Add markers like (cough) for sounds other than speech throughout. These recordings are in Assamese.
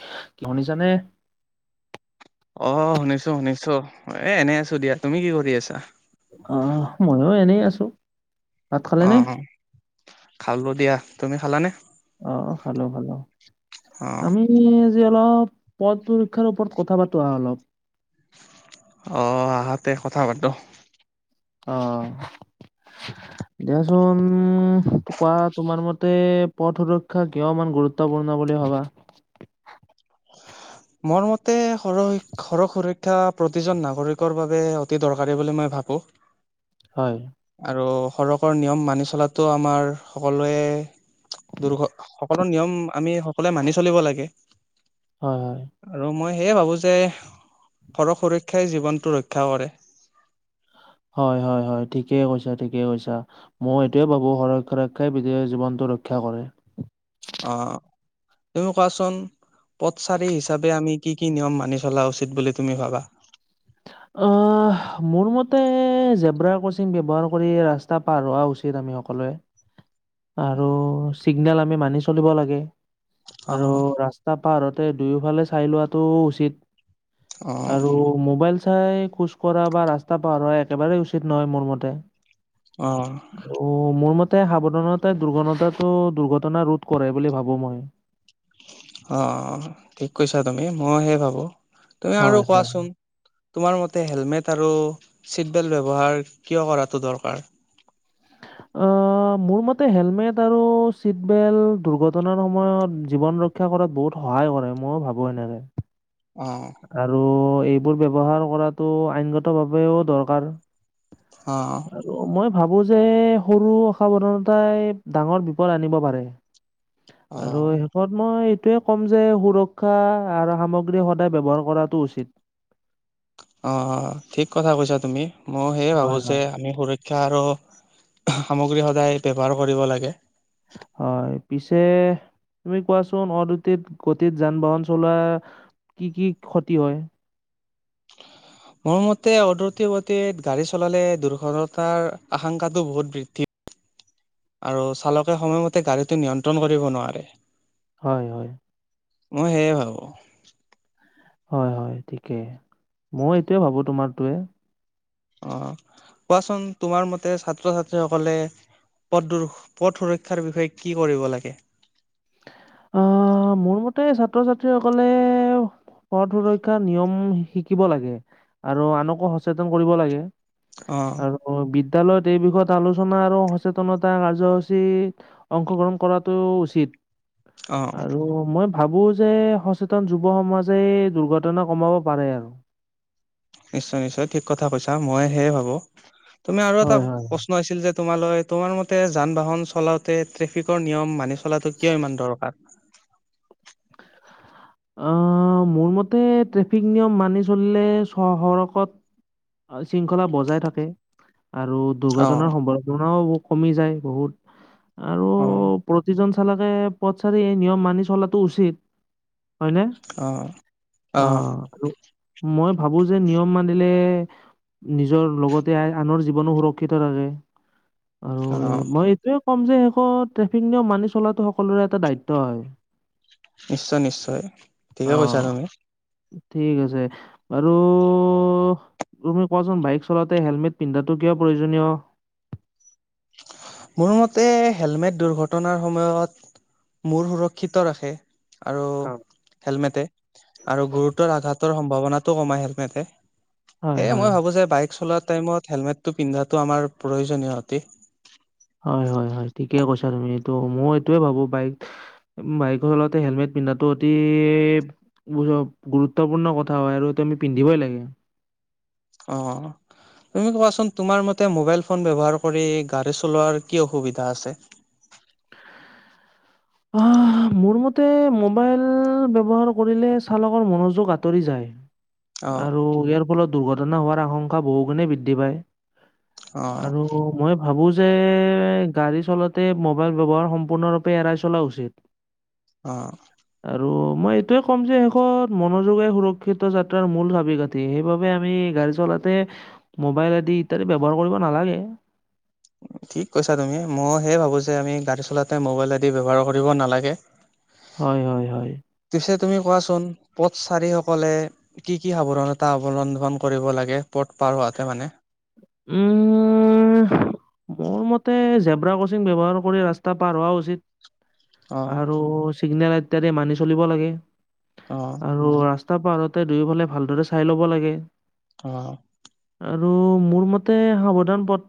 (unintelligible) শুনিছানে? অ, শুনিছো শুনিছো। এ এনে আছো দিয়া। তুমি কি কৰি আছা? আহ, মইও এনেই আছো। ভাত খালে অ, নে? খালো দিয়া। তুমি খালানে? অ অ, খালো খালো। অ আমি যে অলপ পথ সুৰক্ষাৰ ওপৰত কথা পাতো আহা অলপ। অ, আহক তে কথা পাতো। অ। (inaudible) দিয়াচোন কোৱা তোমাৰ মতে পথ সুৰক্ষা কিয় ইমান গুৰুত্বপূৰ্ণ বুলি ভাবা? মোৰ মতে সৰহ স সৰহ সুৰক্ষা প্ৰতিজন নাগৰিকৰ বাবে অতি দৰকাৰী বুলি মই ভাবোঁ। হয়। আৰু সৰকৰ নিয়ম মানি চলাতো আমাৰ সকলোৱে দুৰ্ঘ সকলো নিয়ম আমি সকলোৱে মানি চলিব লাগে। হয় হয়। আৰু মই সেয়ে ভাবো যে সৰহ সুৰক্ষাই জীৱনটো ৰক্ষা কৰে। হয় হয় হয়, ঠিকে কৈছা, ঠিকেই কৈছা। মই এইটোৱে ভাবো সৰহ সৰক্ষা ৰক্ষাই বিদে জীৱনটো ৰক্ষা কৰে। অঁ তুমি কোৱাচোন পথচাৰী হিচাপে আমি কি কি নিয়ম মানি চলা উচিত বুলি তুমি ভাবা? অঁ মোৰ মতে জেব্ৰাৰ ক্ৰচিং ব্যৱহাৰ কৰি ৰাস্তা পাৰ হোৱা উচিত আমি সকলোৱে। আৰু চিগনেল আমি মানি চলিব লাগে, অ আৰু ৰা স্তা পাৰ হওঁতে দুয়োফালে চাই লোৱাটো উচিত, অ আৰু মোবাইল চাই খোজ কঢ়া বা ৰাস্তা পাৰ হোৱা একেবাৰেই উচিত নহয় মোৰ মতে। অঁ অও মোৰ মতে সাৱধানতাই দুৰ্ঘনতাটো দুৰ্ঘটনা ৰোধ কৰে বুলি ভাবো মই। অঁ ঠিক কৈছা তুমি মইহে ভাবো, তুমি আৰু হয় হয়। কোৱাচোন? তোমাৰ মতে হেলমেট আৰু চিটবেল্ট ব্যৱহাৰ কিয় কৰাটো দৰকাৰ? অঁ মোৰ মতে হেলমেট আৰু চিট বেল্ট দুৰ্ঘটনাৰ সময়ত জীৱন ৰ ক্ষা কৰাত বহুত সহায় কৰে মইয়ো ভাবোঁ এনেকে। অঁ আৰু এইবোৰ ব্যৱহাৰ কৰাতটো আইনগত ভাৱেও দৰকাৰ। অঁ আৰু মই ভাবো যে সৰু অসাৱধানতাই ডাঙৰ বিপদ আনিব পাৰে। আৰু অ', শেষত মই এইটোয়ে ক'ম যে সুৰক্ষা আৰু সামগ্ৰী সদ ব্যৱহাৰ কৰাটো উচিত। অঁ ঠিক কথা কৈছা তুমি, মই সেয়ে ভাবো হয়, যে হয়। আমি সুৰ ক্ষা আৰু সামগ্ৰী সদায় ব্যৱহাৰ কৰিব লাগে। হয়। পিছে তুমি কোৱাচোন অদতিত গতিত যান বাহন চলোৱা কি কি ক্ষতি হয়? মোৰ মতে অদ্ৰতি গতিত গাড়ী চলালে দৰ্ঘটতাৰ আশংকাটো বহুত বৃদ্ধি আৰু চালকে সময়মতে গাড়ীটো নিয়ন্ত্ৰণ কৰিব নোৱাৰে। হয় হয়। মই সেইয়ে ভাবো। হয় হয় ঠিকেই, মই এইটোৱে ভাবোঁ তোমাৰটোৱে। অঁ কোৱাচোন তোমাৰ মতে ছাত্ৰ ছাত্ৰীসকলে পথ পথ সুৰক্ষাৰ বিষয়ে কি কৰিব লাগে? অঁ মোৰ মতে ছাত্ৰ ছাত্ৰীসকলে পথ সুৰক্ষাৰ নিয়ম শিকিব লাগে, আৰু আনকো সচেতন কৰিব লাগে। অ', আৰু বিদ্যালয়ত এই বিষয়ত আলোচনা আৰু সচেতনতা কাৰ্যসূচী অংশগ্ৰহণ কৰাটো উচিত, অ', আৰু মই ভাবো যে সচেতন যুৱ সমাজে দুৰ্ঘটনা কমাব পাৰে আৰু। নিশ্চয় নিশ্চয় ঠিক কথা কৈছা, মই সেয়ে ভাবো। তুমি আৰু এটা হয়, হয়। প্ৰশ্ন আছিল যে তোমালৈ তোমাৰ মতে যান বাহন চলাওঁতে ট্ৰেফিকৰ নিয়ম মানি চলাটো কিয় ইমান দৰকাৰ? আঁহ মোৰ মতে ট্ৰেফিক নিয়ম মানি চলিলে চহৰ কত আইন শৃংখলা বজাই থাকে, আৰু অ', দুৰ্ঘটনাৰ সম্ভাৱনাও কমি যায় বহুত, আৰু হয় প্ৰতিজন চালকে পথচাৰি এই নিয়ম মানি চলাটো উচিত। হয়নে? অ', অঁ অ', আৰু। মই ভাবো যে নিয়ম মানিলে নিজৰ লগতে আনৰ জীৱনো সুৰক্ষিত থাকে আৰু এ, অহ। মই এইটোৱে ক'ম যে শেষত ট্ৰেফিক নিয়ম মানি চলাটো সকলোৰে এটা দায়িত্ব হয়। নিশ্চয়, নিশ্চয়। অ, ঠিকে কৈছা তুমি ঠিক আছে বাৰু তুমি কোৱাচোন বাইক চলাওঁতে হেলমেট পিন্ধাটো কিয় প্ৰয়োজনীয়? মোৰ মতে হেলমেট দুৰ্ঘটনাৰ সময়ত মূৰ সুৰক্ষিত ৰাখে আৰু হয়। হেলমেটে আৰু গুৰুতৰ আঘাত তৰ সম্ভাৱনাটো কমাই হেলমেটে, হয়, সেয়ে হয়। মই ভাবো যে বাইক চলোৱা টাইমত হেলমেটটো পিন্ধাটো আমাৰ প্ৰয়োজনীয় অতি হয়, হয়, হয় ঠিকে কৈছা তুমি। ত' মই এইটোয়ে ভাবো বাইক বাইকৰ লগতে হেলমেট পিন্ধাটো অতি গুৰুত্বপূৰ্ণ কথা হয় আৰু এইটো আমি পিন্ধিবই লাগে অহ'। তুমি কোৱাচোন তুমাৰ মতে মবাইল ফোন ব্যৱহাৰ কৰি গাড়ী চলোৱাৰ কি অসুবিধা আছে? অ, মোৰ মতে মোবাইল ব্যৱহাৰ কৰিলে চালকৰ মনোযোগ আঁতৰি যায়। (unintelligible) আৰু ইয়াৰ ফলত দুৰ্ঘটনা হোৱাৰ আশংকা বহু গুণে বৃদ্ধি পায়। অ আৰু মই ভাবো যে গাড়ী চলাতে মোবাইল ব্যৱহাৰ সম্পূৰ্ণৰূপে এৰাই চলোৱা উচিত। অহ। আৰু মই এইটোয়ে ক'ম যে শেষত মনোযোগাই সুৰক্ষিত যাত্ৰাৰ মূল চাবি কাঠি ঠি, সেইবাবে আমি গাড়ী চলাতে মোবাইল আদি ইত্যাদি ব্যৱহাৰ কৰিব নালাগে। ঠিক কৈছা তুমি। মই সেই ভাবো যে আমি গাড়ী চলাতে মোবাইল আদি ব্যৱহাৰ কৰিব নালাগে। (unintelligible) হয়, হয়, হয়। পিছে তুমি কোৱাচোন পথচাৰিসকলে কি-কি সাৱধানতা অৱলম্বন কৰিব লাগে, পথ পাৰ হোৱাতে মানে? উম। মোৰ মতে জেব্ৰা ক্ৰচিং ব্যৱহাৰ কৰি ৰাস্তা পাৰ হোৱা উচিত। অ আৰু চিগনেল ইত্যাদি মানি চলিব লাগে। অহ। আৰু ৰাস্তা পাৰ হ‌ওঁতে দুয়োফালে ভালদৰে চাই ল'ব লাগে। অহ'। আৰু মোৰ মতে সাৱধান পথ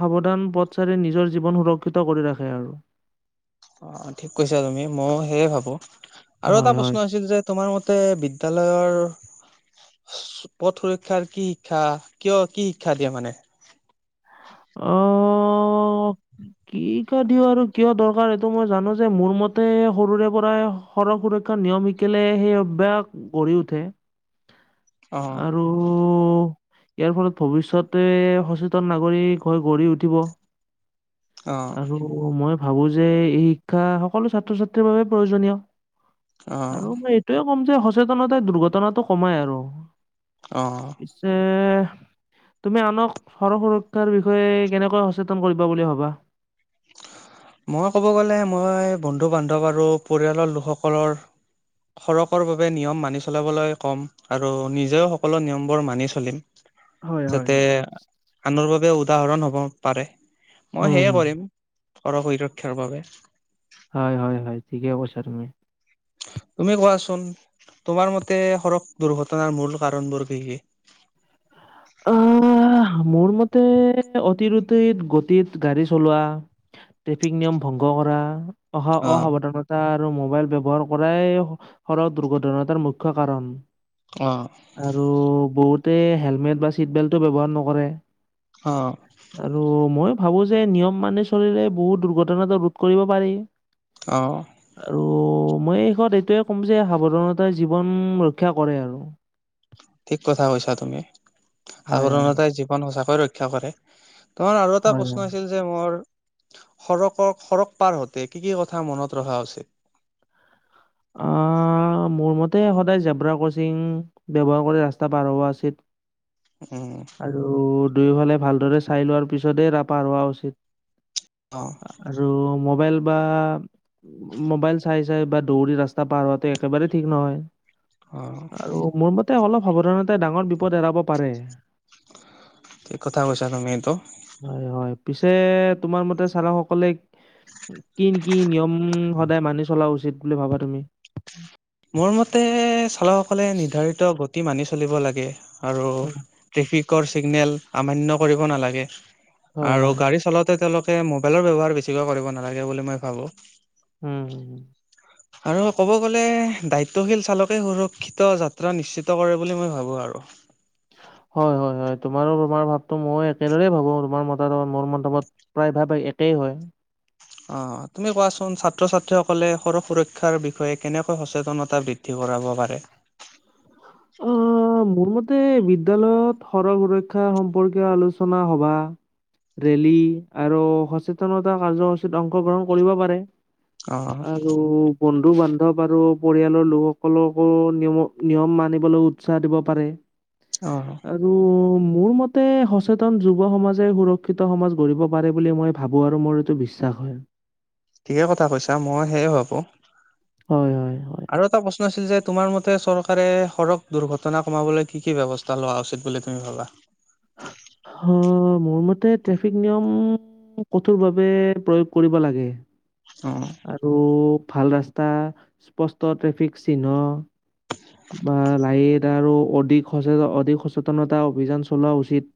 সাৱধান পথচাৰিৰ নিজৰ জীৱন সুৰক্ষিত কৰি ৰাখে আৰু। অ' ঠিক কৈছা তুমি ময়ো সেয়ে ভাবো আৰু হয়, এটা হয়। প্ৰশ্ন আছিল যে তোমাৰ মতে বিদ্যালয়ৰ পথ সুৰক্ষাৰ কি শিক্ষা, কিয় কি শিক্ষা দিয়া মানে। (unintelligible) অ, কি, ক' দিও আৰু কিয় দৰকাৰ এইটো মই জানো যে মোৰ মতে সৰুৰে পৰাই সৰহ সুৰক্ষা নিয়ম শিকিলে সেই অভয়াস গঢ়ি উঠে অহ। আৰু ইয়াৰ ফলত ভৱিষ্যতে সচেতন নাগৰিক হৈ গঢ়ি উঠিব অ', আৰু। অ' মই ভাবো যে এই শিক্ষা সকলো ছাত্ৰ-ছাত্ৰীৰ বাবে প্ৰয়োজনীয়। অ', আৰু মই এইটোৱে ক'ম যে সচেতনতাই দুৰ্ঘটনাটো কমাই আৰু। অ'। পিছে তুমি আনক সৰ সুৰক্ষাৰ বি। ষয়ে কেনেকোৱা সচেতন কৰিব বুলি ভবা। মই ক'ব গ'লে মই বন্ধু-বান্ধৱ আৰু পৰিয়ালৰ লোকসকলৰ। সৰকৰ বাবে নিয়ম মানি চলাবলৈ ক'ম আৰু নিজেও সকলো নিয়মবোৰ মানি চলিম। হয় হয় যাতে হয়। আনৰ বাবে উদাহৰণ হব পাৰে মই উম হুম সেয়ে কৰিম। সৰ সুৰক্ষাৰ বাবে। হয় হয় হয় ঠিকে কৈছা তুমি। তুমি কোৱাচোন তোমাৰ মতে সৰক দুৰ্ঘটনাৰ মূল কাৰণ বোৰ কি কি। আহ মোৰ মতে অতিৰোতিত গতিত গাড়ী চলোৱা। ট্ৰেফিক নিয়ম ভংগ কৰা অহা অ', অসাৱধান। টা আৰু মোবাইল ব্যৱহাৰ কৰাই সৰক দুৰ্ঘটনা তাৰ মুখ্য কাৰণ। অ'। আৰু বহুতে হেলমেট বা চিট বেল্টটো ব্যৱহাৰ নকৰে। অ'। আৰু মই ভাবো যে নিয়ম মানি চলিলে বহুত দুৰ্ঘটনাটো ৰোধ কৰিব পাৰি। অ'। আৰু মই শেষত এইটোয়ে ক'ম যে সাৱধানতাই জীৱন ৰক্ষা কৰে আৰু। ঠিক কথা কৈছা তুমি, হয়, হয়, সাৱধাণতাই জীৱন সচাকৈ ৰক্ষা কৰে। তোমাৰ আৰু এটা হয়, হয়। প্ৰশ্ন আছিল। যে মোৰ সৰকৰ সৰক পাৰ হ‌ওঁতে কি কি কথা মনত ৰখা উচিত। অ' মোৰ মতে সদায় জেব্ৰা ক্ৰচিং ব্যৱহাৰ কৰি ৰাস্তা পাৰ হোৱা উচিত। উম। ৰু দুয়োফালে ভালদৰে চাই লোৱাৰ পিছতে ৰা পাৰ হোৱা উচিত। অ'। আৰু মবাইল বা। মোবাইল চাই চাই বা দৌৰি ৰাস্তা পাৰ হোৱাটো একেবাৰে ঠিক নহয়। অ, আৰু মোৰ মতে অলপ সাৱধানতাই ডাঙৰ বিপদ এৰাব পাৰে। ঠিক কথা কৈছা তুমি এইটো। হয় হয় পিছে তোমাৰ মতে চালকসকলে। কি কি নিয়ম সদায় মানি চলা উচিত বুলি ভাবা তুমি। মোৰ মতে চালকসকলে নিৰ্ধাৰিত গতি মানি চলিব লাগে আৰু। ট্ৰেফিকৰ চিগনেল আমানান্য কৰিব নালাগে হয়, আৰু হয়। গাড়ী চলাওঁতে তেওঁলোক। মোবাইলৰ ব্যৱহাৰ বেছিকৈ কৰিব নালাগে বুলি মই ভাবো। উম। হুম। আৰু ক'ব গ'লে দায়িত্বশীল চালকে সুৰক্ষিত যাত্ৰা নিশ্চিত কৰে বুলি মই ভাবোঁ আৰু। হয় হয় হয় তোমাৰো তোমাৰ ভাৱটো মই একেদৰে ভাবো তোমাৰ (inaudible) মোৰ মতামত। প্ৰায় ভাবে একেই হয়। অ তুমি কোৱাচোন ছাত্ৰ ছাত্ৰীসকলে সৰহ সুৰক্ষাৰ বিষয়ে কেনেকৈ সচেতনতা বৃ। দ্ধি কৰাব পাৰে। (unintelligible) অ মোৰ মতে বিদ্য়ালয়ত সডক সুৰক্ষা সম্পৰ্কীয় আলোচনা সবা। ৰেলী আৰু সচেতনতা কাৰ্যসূচীত অংশগ্ৰহণ কৰিব পাৰে। অ আৰু। বন্ধু বান্ধৱ আৰু পৰিয়ালৰ লোকসকলকো নিয়ম নিয়ম মানি উৎসাহ দিব পাৰে। অ আৰু মোৰ মতে সচেতন যুৱ সমাজে সুৰক্ষিত সমাজ গঢ়িব পাৰে বুলি মই ভাবোঁ আৰু মই টো বিশ্বাস হয়। ঠিকেই কথা কৈছা মই সেয়ে ভাবোঁ হয় হয়। হয়। আৰু এটা প্ৰশ্ন আছিল যে তোমাৰ মতে চৰকাৰে সডক দুৰ্ঘটনা কমাবলৈ কি কি ব্যৱস্থা এটা লোৱা উচিত বুলি তুমি ভাবা? মোৰ মতে ট্ৰেফিক নিয়ম কঠোৰভাৱে প্ৰয়োগ কৰিব লাগে। অ আৰু ভাল ৰাস্তা স্পষ্ট ট্ৰেফিক চিহ্ন বা লাইট আৰু অধিক সচেতন অধিক সচেতনতা অভিযান চলোৱা উচিত।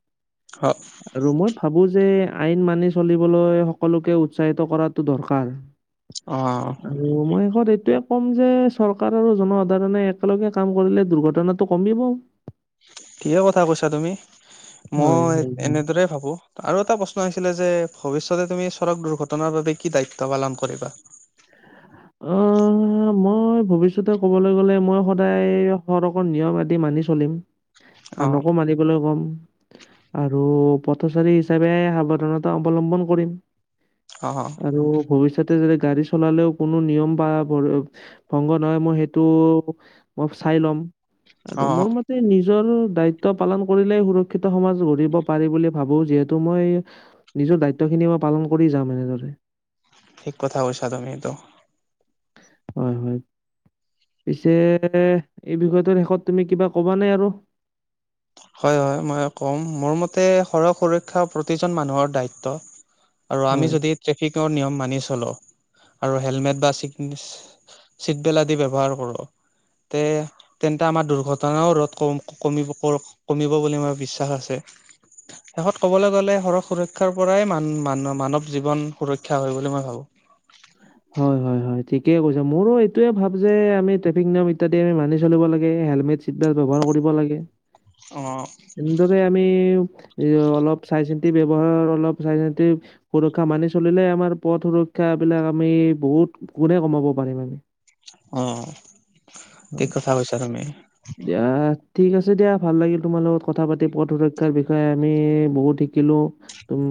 হয় আৰু মই ভাবো যে আইন মানি চলিবলৈ সকলোকে উৎসাহিত কৰাটো দৰকাৰ। অ আৰু মই শেষত এইটোয়ে ক'ম যে চৰকাৰ আৰু জনসাধাৰণে এক একেলগে কাম কৰিলে দুৰ্ঘটনাটো কমিব। ঠিকে কথা কৈছা তুমি হয় মই হয় হয় এনেদৰে ভাবো। আৰু এটা প্ৰশ্ন আছিলে যে ভৱিষ্যতে তুমি চডক দুৰ্ঘটনাৰ বাবে কি দায়িত্ব পালন কৰিবা? অ অ মই ভৱিষ্যতে ক'বলৈ গ'লে মই সদায় সৰ অকৰ নিয়ম আদি মানি চলিম। অ আনকো মানিবলৈ কম। আৰু পথচাৰী হিচাপে সাৱধানতা অৱলম্বন কৰিম। অঁ আৰু ভৱিষ্যতে যদি গাড়ী চলালেও কোনো নিয়ম বা ভংগ নহয় মই সেইটো মই চাই ল'ম। আৰু অ মোৰ মতে নিজৰ দায়িত্ব পালন কৰিলেই সুৰক্ষিত সমাজ গঢ়িব পাৰি বুলি ভাবো যিহেতু মই নিজৰ দায়িত্বখিনি মই পালন কৰি যাম এনেদৰে ঠিক কথা কৈছা তুমিটো হয় হয়। পিছে এই বিষয়টোৰ শেষত তুমি কিবা ক'ব নে আৰু হয় হয় মই ক'ম মোৰ মতে সৰহ সুৰক্ষা প্ৰতিজন মানুহৰ দায়িত্ব। আৰু আমি হয় যদি ট্ৰেফিকৰ নিয়ম মানি চলো আৰু হেলমেট বা চিগনে চিটবেল আদি ব্যৱহাৰ কৰোঁ। তে তেন্তে আমাৰ দুৰ্ঘটনাও ৰ'দ ক কমিবক কমিব বুলি মোৰ বিশ্বাস আছে। শেষত কবলৈ গ'লে সৰহ সুৰক্ষাৰ পৰাই মানৱ জীৱন সুৰক্ষা হয় বুলি মই ভাবো। (unintelligible) হয় হয় হয় ঠিকেই কৈছে মোৰো এইটোৱে ভাব যে আমি ট্ৰেফিক নিয়ম ইত্যাদি আমি মানি চলিব লাগে হেলমেট চীটবেল ব্যৱহাৰ কৰিব লাগে। অ এনেদৰে আমি অলপ চাই চিন্তি ব্যৱহাৰ, অলপ চাই চিন্তি সুৰক্ষা মানি চলিলে আমাৰ পথ সুৰক্ষা বিলাক আমি বহুত গুণে কমাব পাৰিম আমি। অ', থিক হয়, কথা কৈছা তুমি। দিয়া ঠিক আছে দিয়া, ভাল লাগিল তোমাৰ লগত কথা পাতি পথ সুৰক্ষাৰ বিষয়ে আমি বহুত শিকিলোঁ। তুম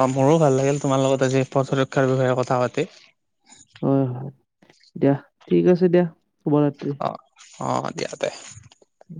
অ', মোৰো ভাল লাগিল তোমাৰ লগত আজি পথ সুৰক্ষাৰ বিষয়ে কথা পাতি। হয় হয়, দিয়া ঠিক আছে দিয়া, শুভৰাত্ৰি। অ', অ', দিয়া তে। উ